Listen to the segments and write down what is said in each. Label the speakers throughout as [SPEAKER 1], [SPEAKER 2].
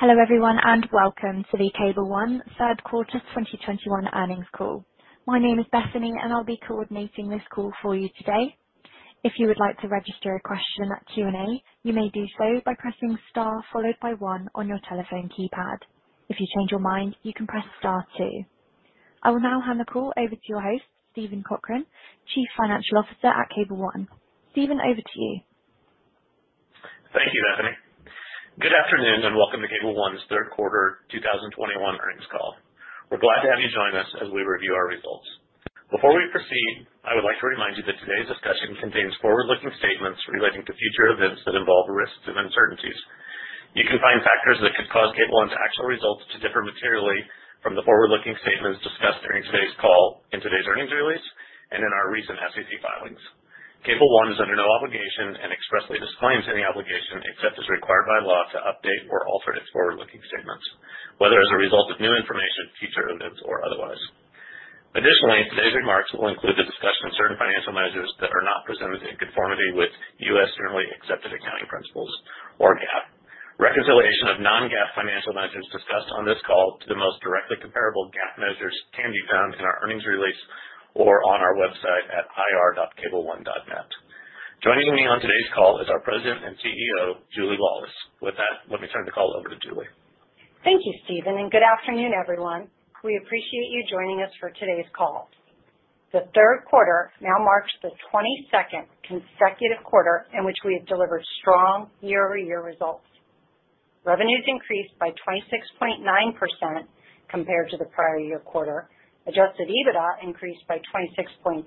[SPEAKER 1] Hello, everyone, and welcome to the Cable One Q3 2021 earnings call. My name is Bethany, and I'll be coordinating this call for you today. If you would like to register a question at Q&A, you may do so by pressing star followed by one on your telephone keypad. If you change your mind, you can press star two. I will now hand the call over to your host, Steven Cochran, Chief Financial Officer at Cable One. Steven, over to you.
[SPEAKER 2] Thank you, Bethany. Good afternoon, and welcome to Cable One's Q3 2021 earnings call. We're glad to have you join us as we review our results. Before we proceed, I would like to remind you that today's discussion contains forward-looking statements relating to future events that involve risks and uncertainties. You can find factors that could cause Cable One's actual results to differ materially from the forward-looking statements discussed during today's call in today's earnings release and in our recent SEC filings. Cable One is under no obligation and expressly disclaims any obligation, except as required by law to update or alter its forward-looking statements, whether as a result of new information, future events, or otherwise. Additionally, today's remarks will include the discussion of certain financial measures that are not presented in conformity with U.S. generally accepted accounting principles or GAAP. Reconciliation of non-GAAP financial measures discussed on this call to the most directly comparable GAAP measures can be found in our earnings release or on our website at ir.cableone.net. Joining me on today's call is our President and CEO, Julie Laulis. With that, let me turn the call over to Julie.
[SPEAKER 3] Thank you, Steven, and good afternoon, everyone. We appreciate you joining us for today's call. The Q3 now marks the 22nd consecutive quarter in which we have delivered strong year-over-year results. Revenues increased by 26.9% compared to the prior year quarter. Adjusted EBITDA increased by 26.4%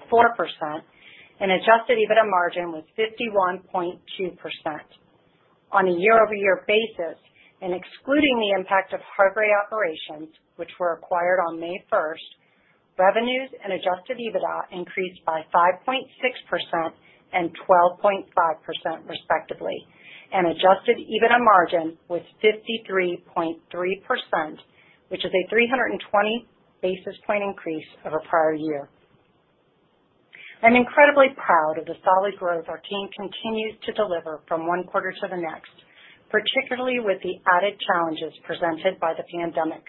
[SPEAKER 3] and adjusted EBITDA margin was 51.2%. On a year-over-year basis and excluding the impact of Hargray operations, which were acquired on May 1st, revenues and adjusted EBITDA increased by 5.6% and 12.5%, respectively, and adjusted EBITDA margin was 53.3%, which is a 320 basis points increase over prior year. I'm incredibly proud of the solid growth our team continues to deliver from one quarter to the next, particularly with the added challenges presented by the pandemic.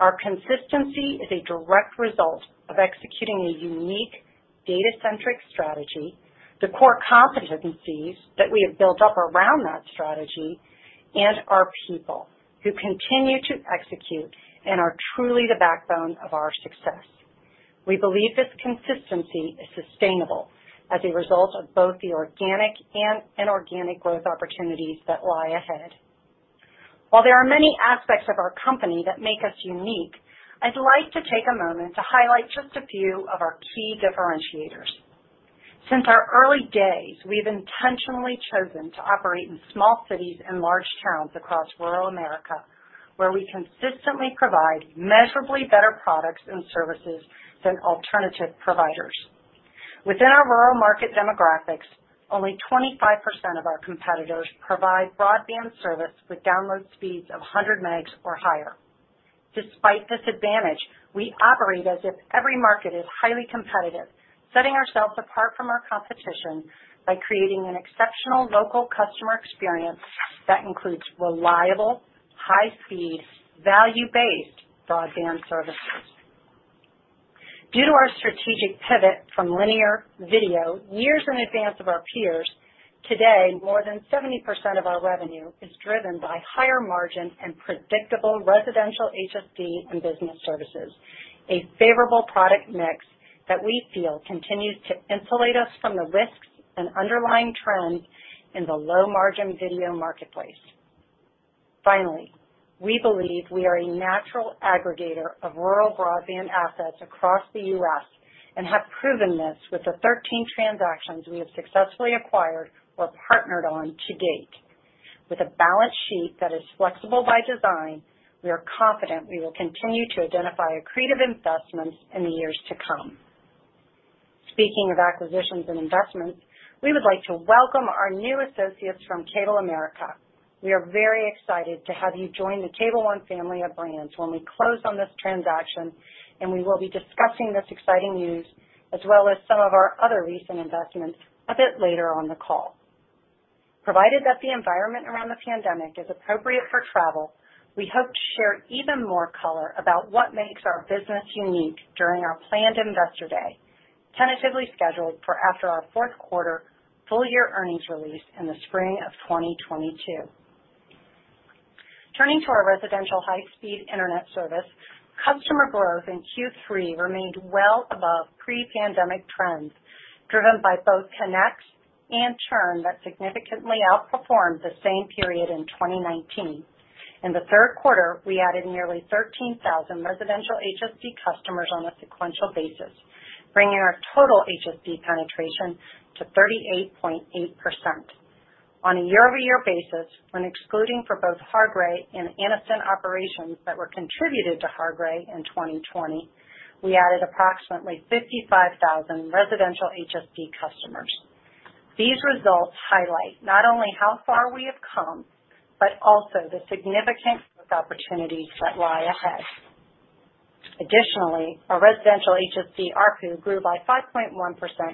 [SPEAKER 3] Our consistency is a direct result of executing a unique data-centric strategy, the core competencies that we have built up around that strategy, and our people who continue to execute and are truly the backbone of our success. We believe this consistency is sustainable as a result of both the organic and inorganic growth opportunities that lie ahead. While there are many aspects of our company that make us unique, I'd like to take a moment to highlight just a few of our key differentiators. Since our early days, we've intentionally chosen to operate in small cities and large towns across rural America, where we consistently provide measurably better products and services than alternative providers. Within our rural market demographics, only 25% of our competitors provide broadband service with download speeds of 100 megs or higher. Despite this advantage, we operate as if every market is highly competitive, setting ourselves apart from our competition by creating an exceptional local customer experience that includes reliable, high-speed, value-based broadband services. Due to our strategic pivot from linear video years in advance of our peers, today, more than 70% of our revenue is driven by higher margin and predictable residential HSD and business services, a favorable product mix that we feel continues to insulate us from the risks and underlying trends in the low-margin video marketplace. Finally, we believe we are a natural aggregator of rural broadband assets across the U.S. and have proven this with the 13 transactions we have successfully acquired or partnered on to date. With a balance sheet that is flexible by design, we are confident we will continue to identify creative investments in the years to come. Speaking of acquisitions and investments, we would like to welcome our new associates from CableAmerica. We are very excited to have you join the Cable One family of brands when we close on this transaction, and we will be discussing this exciting news as well as some of our other recent investments a bit later on the call. Provided that the environment around the pandemic is appropriate for travel, we hope to share even more color about what makes our business unique during our planned Investor Day, tentatively scheduled for after our Q4 full year earnings release in the spring of 2022. Turning to our residential high-speed internet service, customer growth in Q3 remained well above pre-pandemic trends, driven by both connect and churn that significantly outperformed the same period in 2019. In the Q3, we added nearly 13,000 residential HSD customers on a sequential basis, bringing our total HSD penetration to 38.8%. On a year-over-year basis, when excluding for both Hargray and Anniston operations that were contributed to Hargray in 2020, we added approximately 55,000 residential HSD customers. These results highlight not only how far we have come, but also the significant growth opportunities that lie ahead. Additionally, our residential HFC ARPU grew by 5.1%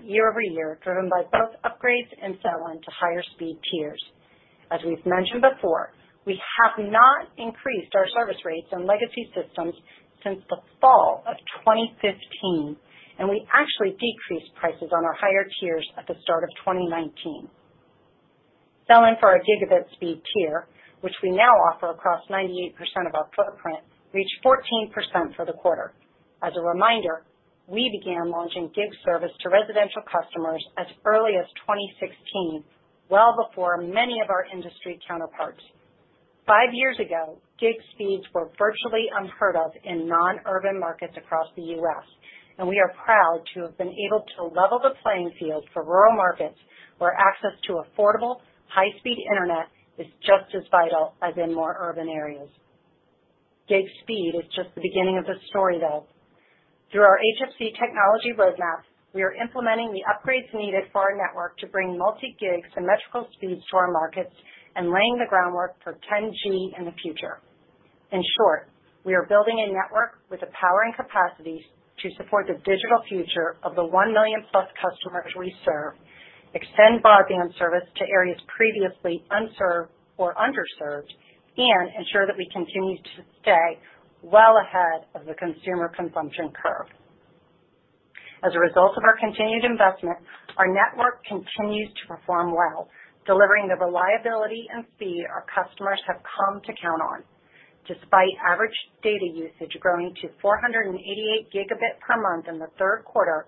[SPEAKER 3] year-over-year, driven by both upgrades and sell-in to higher speed tiers. As we've mentioned before, we have not increased our service rates on legacy systems since the fall of 2015, and we actually decreased prices on our higher tiers at the start of 2019. Sell-in for our gigabit speed tier, which we now offer across 98% of our footprint, reached 14% for the quarter. As a reminder, we began launching gig service to residential customers as early as 2016, well before many of our industry counterparts. Five years ago, gig speeds were virtually unheard of in non-urban markets across the U.S., and we are proud to have been able to level the playing field for rural markets where access to affordable, high-speed internet is just as vital as in more urban areas. Gig speed is just the beginning of the story, though. Through our HFC technology roadmap, we are implementing the upgrades needed for our network to bring multi-gig symmetrical speeds to our markets and laying the groundwork for 10G in the future. In short, we are building a network with the power and capacity to support the digital future of the 1 million-plus customers we serve, extend broadband service to areas previously unserved or underserved, and ensure that we continue to stay well ahead of the consumer consumption curve. As a result of our continued investment, our network continues to perform well, delivering the reliability and speed our customers have come to count on. Despite average data usage growing to 488 Gb per month in the Q3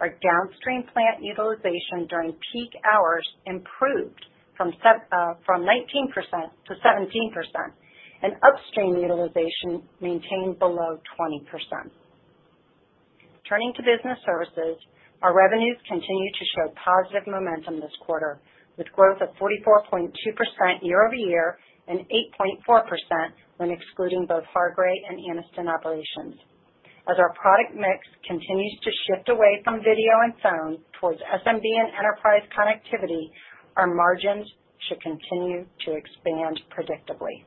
[SPEAKER 3] our downstream plant utilization during peak hours improved from 19%-17%, and upstream utilization maintained below 20%. Turning to business services, our revenues continue to show positive momentum this quarter, with growth of 44.2% year-over-year and 8.4% when excluding both Hargray and Anniston operations. As our product mix continues to shift away from video and phone towards SMB and enterprise connectivity, our margins should continue to expand predictably.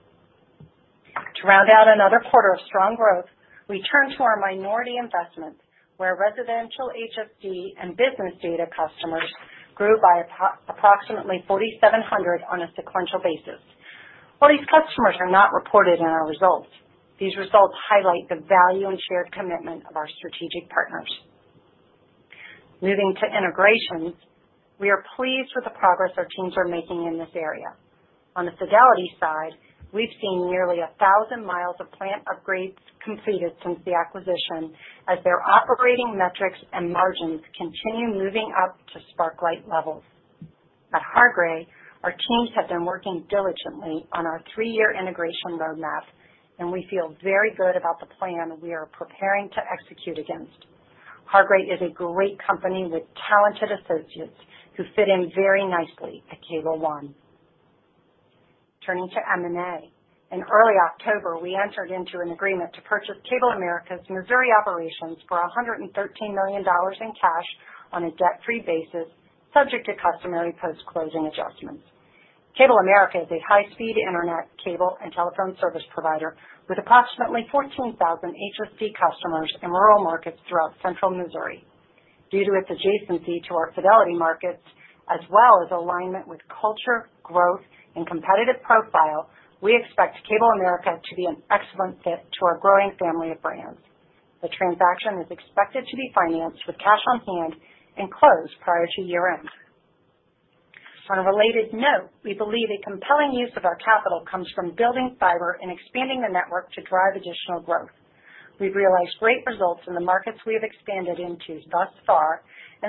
[SPEAKER 3] To round out another quarter of strong growth, we turn to our minority investments, where residential HFC and business data customers grew by approximately 4,700 on a sequential basis. While these customers are not reported in our results, these results highlight the value and shared commitment of our strategic partners. Moving to integrations, we are pleased with the progress our teams are making in this area. On the Fidelity side, we've seen nearly 1,000 miles of plant upgrades completed since the acquisition as their operating metrics and margins continue moving up to Sparklight levels. At Hargray, our teams have been working diligently on our -year integration roadmap, and we feel very good about the plan we are preparing to execute against. Hargray is a great company with talented associates who fit in very nicely at Cable One. Turning to M&A. In early October, we entered into an agreement to purchase CableAmerica's Missouri operations for $113 million in cash on a debt-free basis, subject to customary post-closing adjustments. CableAmerica is a high-speed internet, cable, and telephone service provider with approximately 14,000 HFC customers in rural markets throughout central Missouri. Due to its adjacency to our Fidelity markets, as well as alignment with culture, growth, and competitive profile, we expect CableAmerica to be an excellent fit to our growing family of brands. The transaction is expected to be financed with cash on hand and close prior to year-end. On a related note, we believe a compelling use of our capital comes from building fiber and expanding the network to drive additional growth. We've realized great results in the markets we have expanded into thus far.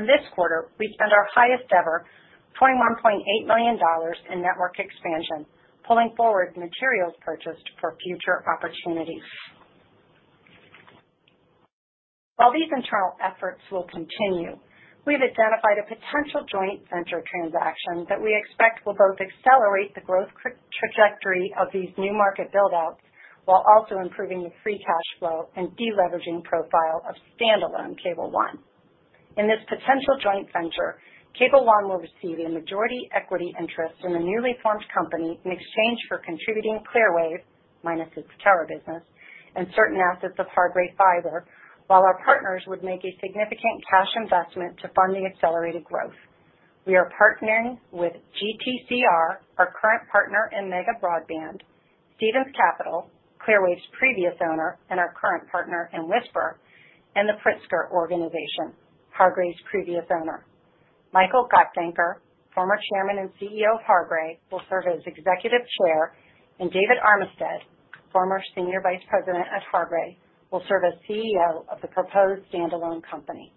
[SPEAKER 3] This quarter, we spent our highest ever, $21.8 million, in network expansion, pulling forward materials purchased for future opportunities. While these internal efforts will continue, we've identified a potential joint venture transaction that we expect will both accelerate the growth trajectory of these new market build-outs while also improving the free cash flow and de-leveraging profile of standalone Cable One. In this potential joint venture, Cable One will receive a majority equity interest in the newly formed company in exchange for contributing Clearwave, minus its tower business, and certain assets of Hargray fiber, while our partners would make a significant cash investment to fund the accelerated growth. We are partnering with GTCR, our current partner in Mega Broadband, Stephens Capital, Clearwave's previous owner and our current partner in Wisper, and The Pritzker Organization, Hargray's previous owner. Michael Gottdenker, Former Chairman and CEO of Hargray, will serve as Executive Chair, and David Armistead, Former Senior Vice President at Hargray, will serve as CEO of the proposed standalone company.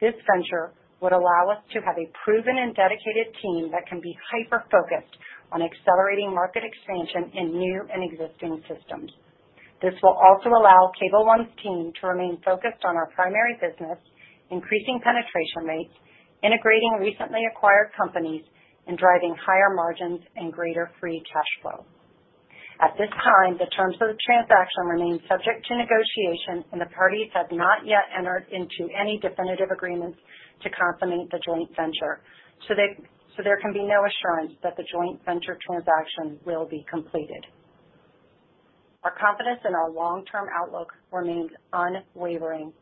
[SPEAKER 3] This venture would allow us to have a proven and dedicated team that can be hyper-focused on accelerating market expansion in new and existing systems. This will also allow Cable One's team to remain focused on our primary business, increasing penetration rates, integrating recently acquired companies, and driving higher margins and greater free cash flow. At this time, the terms of the transaction remain subject to negotiation, and the parties have not yet entered into any definitive agreements to consummate the joint venture so there can be no assurance that the joint venture transaction will be completed. Our confidence in our long-term outlook remains unwavering.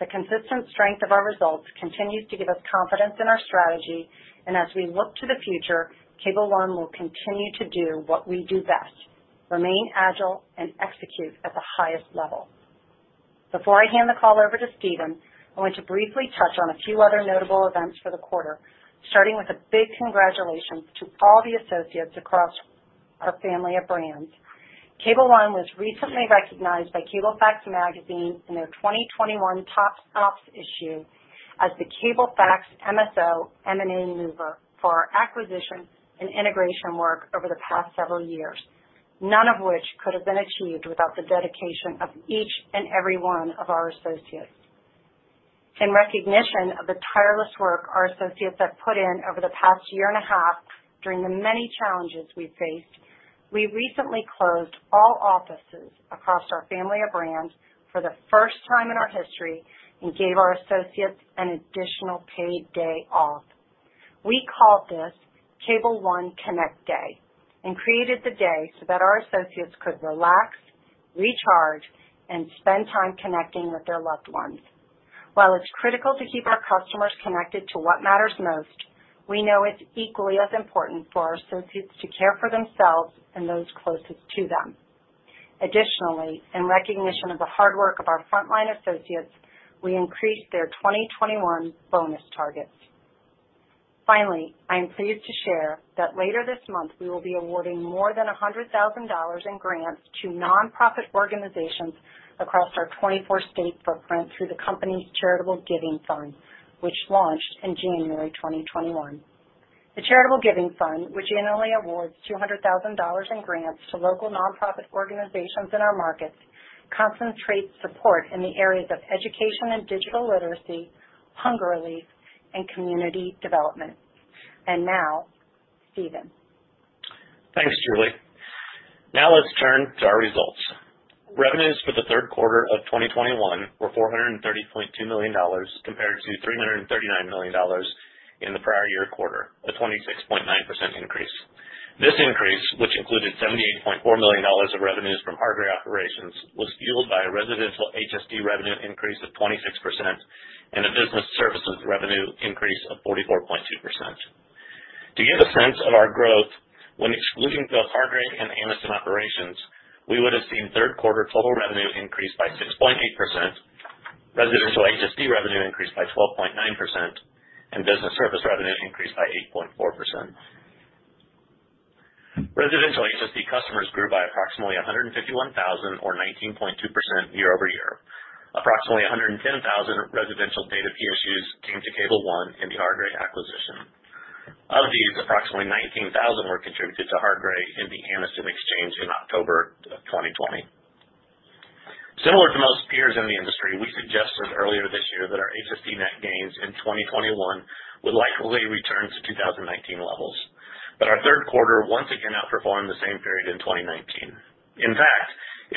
[SPEAKER 3] The consistent strength of our results continues to give us confidence in our strategy. As we look to the future, Cable One will continue to do what we do best, remain agile and execute at the highest level. Before I hand the call over to Steven, I want to briefly touch on a few other notable events for the quarter, starting with a big congratulations to all the associates across our family of brands. Cable One was recently recognized by Cablefax Magazine in their 2021 Top Ops issue as the Cablefax MSO M&A Mover for our acquisition and integration work over the past several years, none of which could have been achieved without the dedication of each and every one of our associates. In recognition of the tireless work our associates have put in over the past year and a half during the many challenges we faced, we recently closed all offices across our family of brands for the first time in our history and gave our associates an additional paid day off. We called this Cable One Connect Day and created the day so that our associates could relax, recharge, and spend time connecting with their loved ones. While it's critical to keep our customers connected to what matters most, we know it's equally as important for our associates to care for themselves and those closest to them. Additionally, in recognition of the hard work of our frontline associates, we increased their 2021 bonus targets. Finally, I am pleased to share that later this month, we will be awarding more than $100,000 in grants to nonprofit organizations across our 24-state footprint through the company's charitable giving fund, which launched in January 2021. The charitable giving fund, which annually awards $200,000 in grants to local nonprofit organizations in our markets, concentrates support in the areas of education and digital literacy, hunger relief, and community development. Now, Steven.
[SPEAKER 2] Thanks, Julie. Now let's turn to our results. Revenues for the Q3 of 2021 were $430.2 million compared to $339 million in the prior year quarter, a 26.9% increase. This increase, which included $78.4 million of revenues from Hargray operations, was fueled by a residential HSD revenue increase of 26% and a business services revenue increase of 44.2%. To give a sense of our growth, when excluding the Hargray and Anniston operations, we would have seen Q3 total revenue increase by 6.8%, residential HSD revenue increase by 12.9%, and business services revenue increase by 8.4%. Residential HSD customers grew by approximately 151,000 or 19.2% year-over-year. Approximately 110,000 residential data PSUs came to Cable One in the Hargray acquisition. Of these, approximately 19,000 were contributed to Hargray in the Anniston exchange in October 2020. Similar to most peers in the industry, we suggested earlier this year that our HSD net gains in 2021 would likely return to 2019 levels. Our Q3 once again outperformed the same period in 2019. In fact,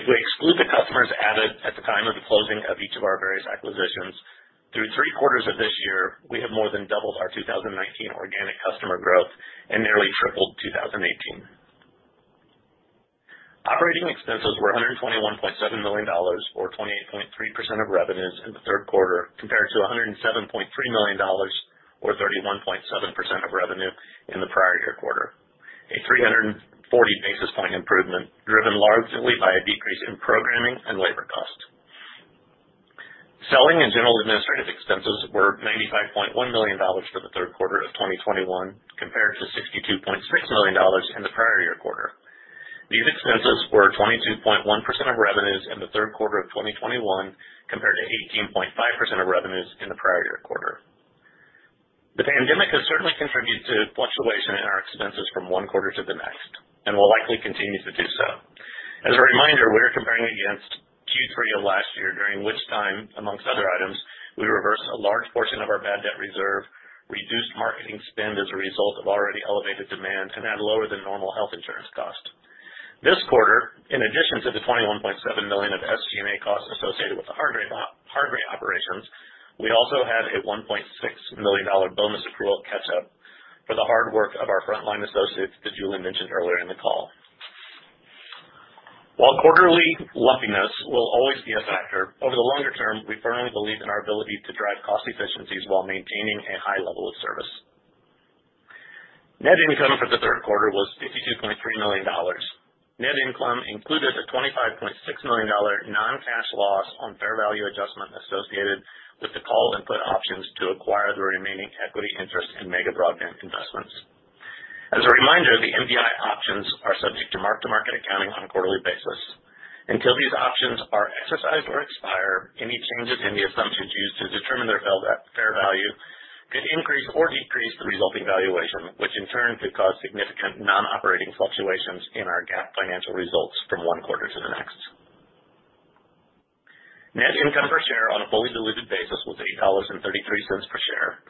[SPEAKER 2] if we exclude the customers added at the time of the closing of each of our various acquisitions, through three quarters of this year, we have more than doubled our 2019 organic customer growth and nearly tripled 2018. Operating expenses were $121.7 million, or 28.3% of revenues in the Q3, compared to $107.3 million or 31.7% of revenue in the prior year quarter, a 340 basis point improvement, driven largely by a decrease in programming and labor cost. Selling and general administrative expenses were $95.1 million for the Q3 of 2021 compared to $62.6 million in the prior year quarter. These expenses were 22.1% of revenues in the Q3 of 2021 compared to 18.5% of revenues in the prior year quarter. The pandemic has certainly contributed to fluctuation in our expenses from one quarter to the next and will likely continue to do so. As a reminder, we are comparing against Q3 of last year, during which time, among other items, we reversed a large portion of our bad debt reserve, reduced marketing spend as a result of already elevated demand and had lower than normal health insurance cost. This quarter, in addition to the $21.7 million of SG&A costs associated with the Hargray operations, we also had a $1.6 million bonus accrual catch up for the hard work of our frontline associates, as Julie mentioned earlier in the call. While quarterly lumpiness will always be a factor, over the longer term, we firmly believe in our ability to drive cost efficiencies while maintaining a high level of service. Net income for the third quarter was $52.3 million. Net income included a $25.6 million non-cash loss on fair value adjustment associated with the call and put options to acquire the remaining equity interest in Mega Broadband Investments. As a reminder, the MBI options are subject to mark to market accounting on a quarterly basis. Until these options are exercised or expire, any changes in the assumptions used to determine their fair value could increase or decrease the resulting valuation, which in turn could cause significant non-operating fluctuations in our GAAP financial results from one quarter to the next. Net income per share on a fully diluted basis was $8.33 per share,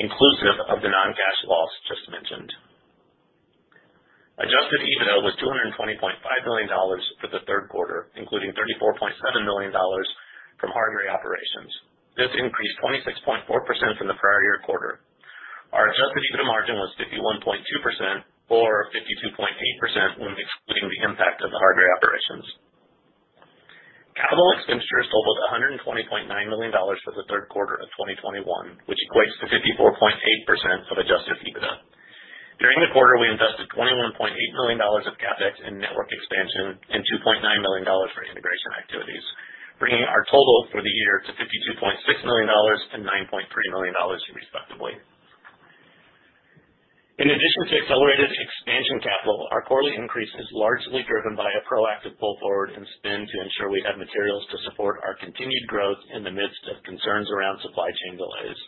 [SPEAKER 2] inclusive of the non-cash loss just mentioned. Adjusted EBITDA was $220.5 million for the Q3, including $34.7 million from Hargray operations. This increased 26.4% from the prior year quarter. Our adjusted EBITDA margin was 51.2% or 52.8% when excluding the impact of the Hargray operations. Capital expenditures totaled $120.9 million for the Q3 of 2021, which equates to 54.8% of adjusted EBITDA. During the quarter, we invested $21.8 million of CapEx in network expansion and $2.9 million for integration activities, bringing our total for the year to $52.6 million and $9.3 million, respectively. In addition to accelerated expansion capital, our quarterly increase is largely driven by a proactive pull forward in spend to ensure we have materials to support our continued growth in the midst of concerns around supply chain delays.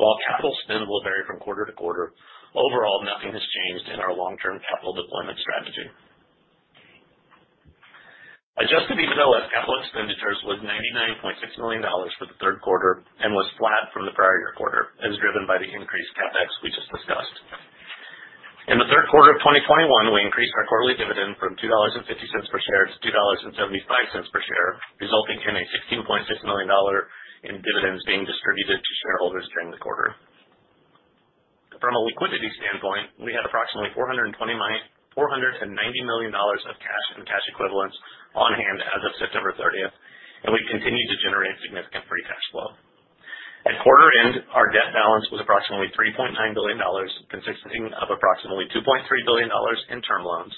[SPEAKER 2] While capital spend will vary from quarter to quarter, overall nothing has changed in our long-term capital deployment strategy. Adjusted EBITDA capital expenditures was $99.6 million for the Q3 and was flat from the prior-year quarter as driven by the increased CapEx we just discussed. In the Q3 of 2021, we increased our quarterly dividend from $2.50 per share to $2.75 per share, resulting in a $16.6 million dollar in dividends being distributed to shareholders during the quarter. From a liquidity standpoint, we had approximately $490 million of cash and cash equivalents on hand as of September 30th, and we continue to generate significant free cash flow. At quarter end, our debt balance was approximately $3.9 billion, consisting of approximately $2.3 billion in term loans,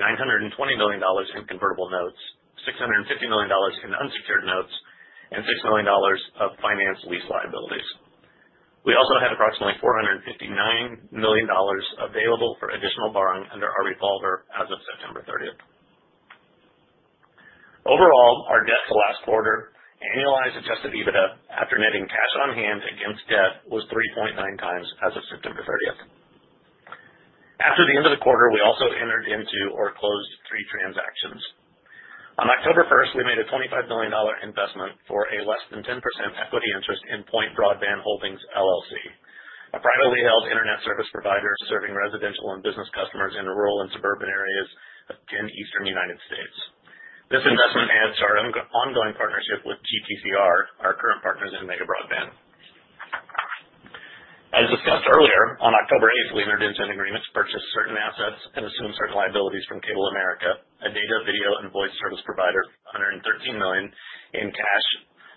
[SPEAKER 2] $920 million in convertible notes, $650 million in unsecured notes, and $6 million of finance lease liabilities. We also had approximately $459 million available for additional borrowing under our revolver as of September 30. Overall, our debt to last quarter annualized adjusted EBITDA after netting cash on hand against debt was 3.9x as of September 30th. After the end of the quarter, we also entered into or closed three transactions. On October 1st, we made a $25 million investment for a less than 10% equity interest in Point Broadband Holdings LLC, a privately held internet service provider serving residential and business customers in rural and suburban areas in the eastern United States. This investment adds to our ongoing partnership with GTCR, our current partners in Mega Broadband. As discussed earlier, on October 8th, we entered into an agreement to purchase certain assets and assume certain liabilities from CableAmerica, a data, video, and voice service provider, for $113 million in cash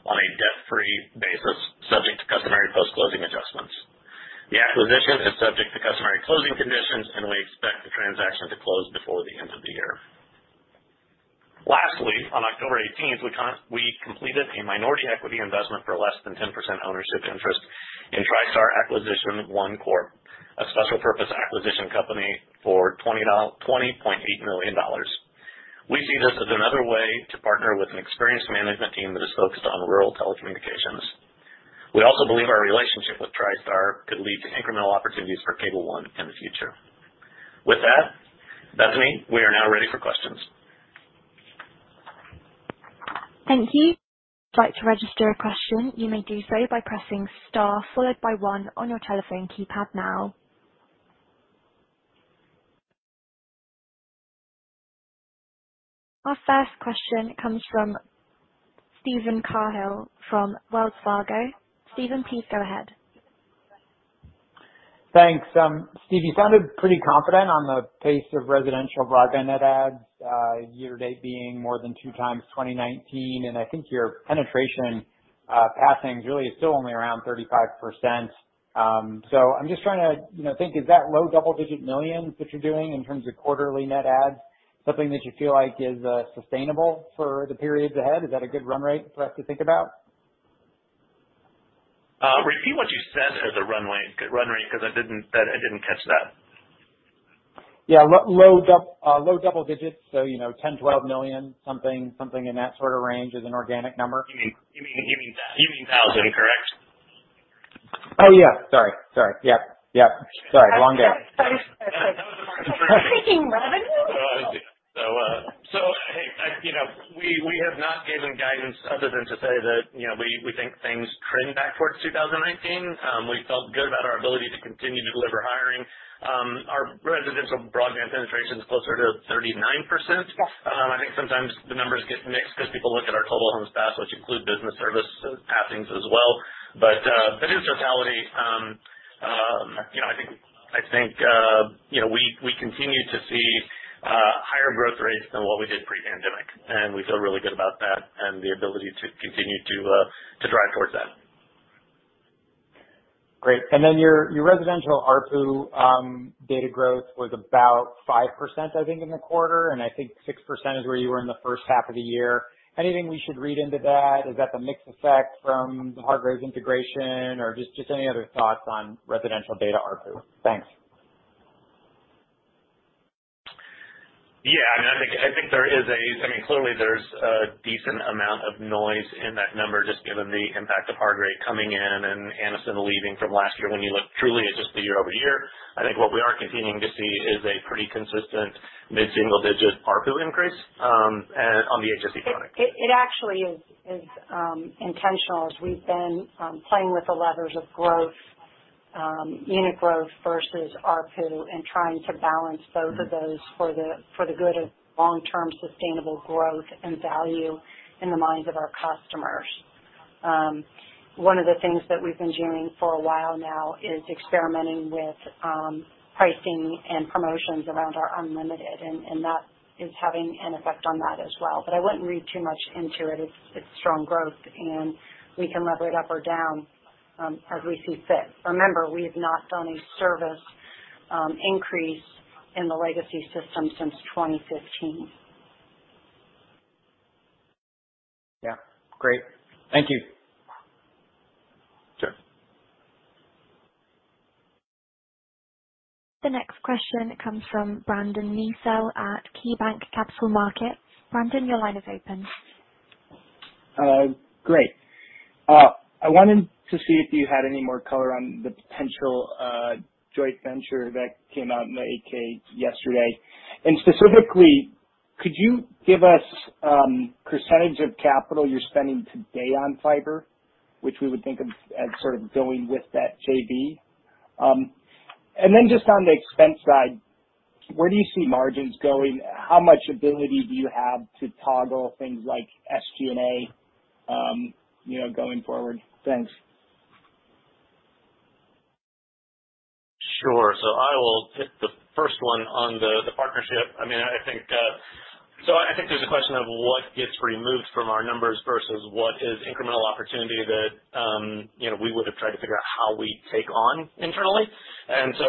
[SPEAKER 2] on a debt-free basis, subject to customary post-closing adjustments. The acquisition is subject to customary closing conditions, and we expect the transaction to close before the end of the year. Lastly, on October 18th, we completed a minority equity investment for less than 10% ownership interest in Tristar Acquisition I Corp., a special purpose acquisition company for $20.8 million. We see this as another way to partner with an experienced management team that is focused on rural telecommunications. We also believe our relationship with Tristar could lead to incremental opportunities for Cable One in the future. With that, Bethany, we are now ready for questions.
[SPEAKER 1] Thank you. If you'd like to register a question, you may do so by pressing star followed by one on your telephone keypad now. Our first question comes from Steven Cahall from Wells Fargo. Steven, please go ahead.
[SPEAKER 4] Thanks. Steve, you sounded pretty confident on the pace of residential broadband net adds year to date being more than 2x 2019, and I think your penetration passings really is still only around 35%. I'm just trying to, you know, think is that low double-digit millions that you're doing in terms of quarterly net adds something that you feel like is sustainable for the periods ahead? Is that a good run rate for us to think about?
[SPEAKER 2] Repeat what you said as a run rate, because I didn't catch that.
[SPEAKER 4] Yeah. Low double digits. You know, $10 million-$12 million, something in that sort of range as an organic number.
[SPEAKER 2] You mean thousand, correct?
[SPEAKER 4] Oh, yeah. Sorry. Yep. Sorry. Long day.
[SPEAKER 3] Sorry. You're seeking revenue?
[SPEAKER 2] You know, we have not given guidance other than to say that, you know, we think things trend back towards 2019. We felt good about our ability to continue to deliver higher. Our residential broadband penetration is closer to 39%. I think sometimes the numbers get mixed because people look at our total homes passed, which include business service passings as well but that is totality. You know, I think, you know, we continue to see higher growth rates than what we did pre-pandemic, and we feel really good about that and the ability to continue to drive towards that.
[SPEAKER 4] Great. Your residential ARPU data growth was about 5%, I think, in the quarter, and I think 6% is where you were in the first half of the year. Anything we should read into that? Is that the mix effect from Hargray's integration or just any other thoughts on residential data ARPU? Thanks.
[SPEAKER 2] Yeah. I mean, I think there is a decent amount of noise in that number, just given the impact of Hargray coming in and Anniston leaving from last year. When you look truly at just the year-over-year, I think what we are continuing to see is a pretty consistent Mid-single digits ARPU increase, and on the HSD product.
[SPEAKER 3] It actually is intentional as we've been playing with the levers of growth, unit growth versus ARPU and trying to balance both of those for the good of long-term sustainable growth and value in the minds of our customers. One of the things that we've been doing for a while now is experimenting with pricing and promotions around our unlimited, and that is having an effect on that as well. I wouldn't read too much into it. It's strong growth, and we can lever it up or down, as we see fit. Remember, we have not done a service increase in the legacy system since 2015.
[SPEAKER 4] Yeah. Great. Thank you.
[SPEAKER 2] Sure.
[SPEAKER 1] The next question comes from Brandon Nispel at KeyBanc Capital Markets. Brandon, your line is open.
[SPEAKER 5] Great. I wanted to see if you had any more color on the potential joint venture that came out in the 8-K yesterday. Specifically, could you give us percentage of capital you're spending today on fiber, which we would think of as sort of going with that JV? Then just on the expense side, where do you see margins going? How much ability do you have to toggle things like SG&A, you know, going forward? Thanks.
[SPEAKER 2] Sure. I will take the first one on the partnership. I mean, I think, so I think there's a question of what gets removed from our numbers versus what is incremental opportunity that, you know, we would have tried to figure out how we take on internally.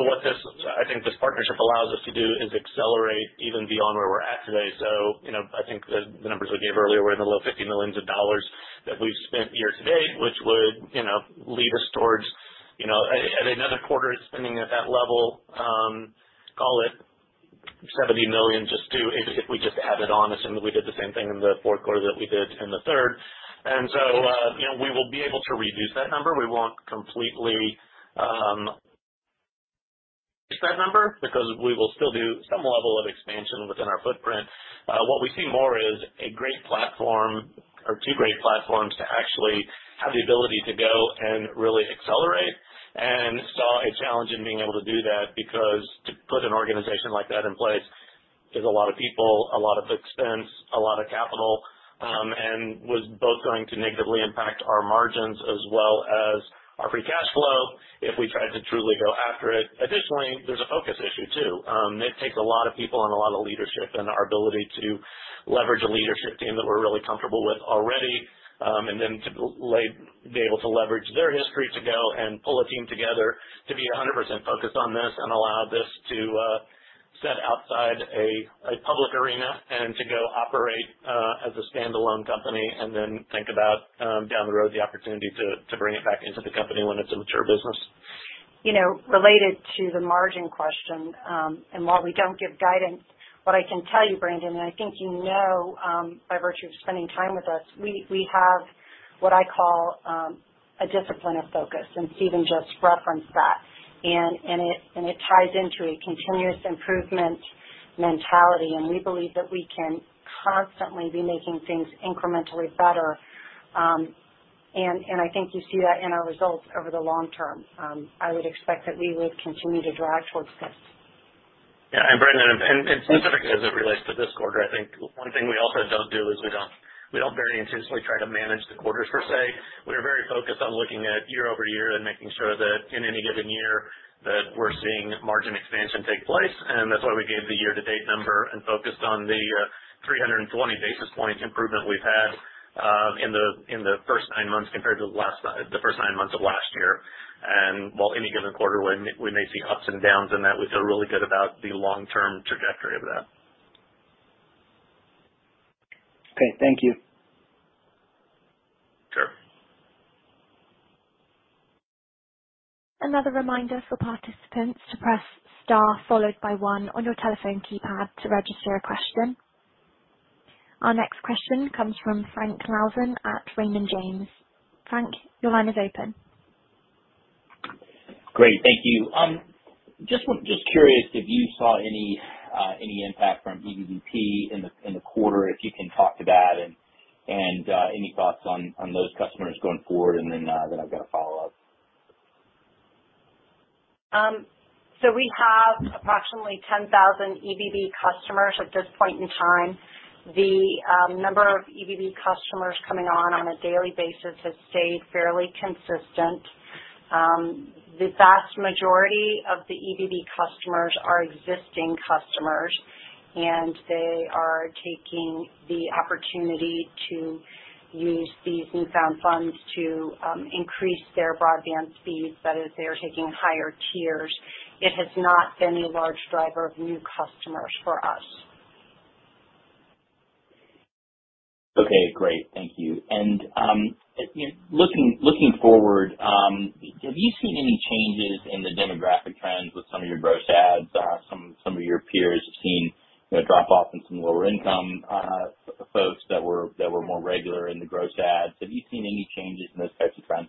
[SPEAKER 2] What this, I think this partnership allows us to do is accelerate even beyond where we're at today. You know, I think the numbers we gave earlier were in the low $50 million that we've spent year to date, which would, you know, lead us towards, you know, at another quarter spending at that level, call it $70 million just to if we just add it on, assume that we did the same thing in the Q4 that we did in the third. You know, we will be able to reduce that number. We won't completely reach that number because we will still do some level of expansion within our footprint. What we see more is a great platform or two great platforms to actually have the ability to go and really accelerate and saw a challenge in being able to do that because to put an organization like that in place is a lot of people, a lot of expense, a lot of capital, and was both going to negatively impact our margins as well as our free cash flow if we tried to truly go after it. Additionally, there's a focus issue too. It takes a lot of people and a lot of leadership and our ability to leverage a leadership team that we're really comfortable with already, and then be able to leverage their history to go and pull a team together to be 100% focused on this and allow this to sit outside a public arena and to go operate as a standalone company and then think about down the road the opportunity to bring it back into the company when it's a mature business.
[SPEAKER 3] You know, related to the margin question, and while we don't give guidance, what I can tell you, Brandon, and I think you know, by virtue of spending time with us, we have what I call a discipline of focus, and Steven just referenced that. It ties into a continuous improvement mentality, and we believe that we can constantly be making things incrementally better. I think you see that in our results over the long term. I would expect that we would continue to drive towards this.
[SPEAKER 2] Yeah. Brandon, specifically as it relates to this quarter, I think one thing we also don't do is we don't very intentionally try to manage the quarters per se. We are very focused on looking at year-over-year and making sure that in any given year that we're seeing margin expansion take place. That's why we gave the year-to-date number and focused on the 320 basis point improvement we've had in the first nine months compared to the first nine months of last year. While any given quarter we may see ups and downs in that, we feel really good about the long-term trajectory of that.
[SPEAKER 5] Okay. Thank you.
[SPEAKER 2] Sure.
[SPEAKER 1] Another reminder for participants to press star followed by one on your telephone keypad to register a question. Our next question comes from Frank Louthan at Raymond James. Frank, your line is open.
[SPEAKER 6] Great. Thank you. Just curious if you saw any impact from EBB in the quarter, if you can talk to that, and any thoughts on those customers going forward, and then I've got a follow-up.
[SPEAKER 3] We have approximately 10,000 EBB customers at this point in time. The number of EBB customers coming on a daily basis has stayed fairly consistent. The vast majority of the EBB customers are existing customers, and they are taking the opportunity to use these newfound funds to increase their broadband speeds, that is, they are taking higher tiers. It has not been a large driver of new customers for us.
[SPEAKER 6] Okay, great. Thank you. You know, looking forward, have you seen any changes in the demographic trends with some of your gross adds? Some of your peers have seen, you know, drop-off in some lower income folks that were more regular in the gross adds. Have you seen any changes in those types of trends?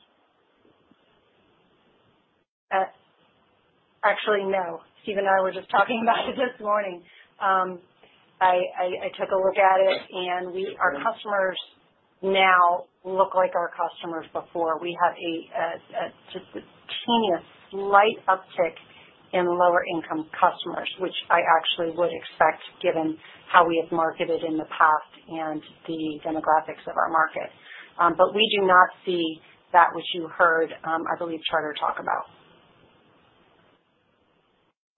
[SPEAKER 3] Actually, no. Steven and I were just talking about it this morning. I took a look at it, and our customers now look like our customers before. We have just a teeny slight uptick in lower income customers, which I actually would expect given how we have marketed in the past and the demographics of our market but we do not see that which you heard, I believe Charter talk about.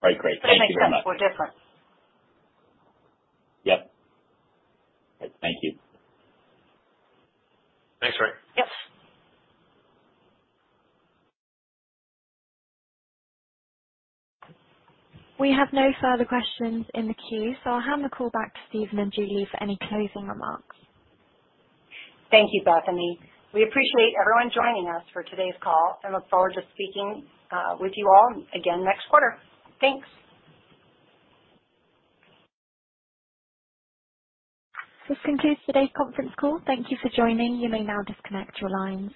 [SPEAKER 6] Right. Great. Thank you very much.
[SPEAKER 3] Makes sense we're different.
[SPEAKER 6] Yep. Thank you.
[SPEAKER 2] Thanks, Frank.
[SPEAKER 3] Yep.
[SPEAKER 1] We have no further questions in the queue, so I'll hand the call back to Steven and Julie for any closing remarks.
[SPEAKER 3] Thank you, Bethany. We appreciate everyone joining us for today's call and look forward to speaking with you all again next quarter. Thanks.
[SPEAKER 1] This concludes today's conference call. Thank you for joining. You may now disconnect your lines.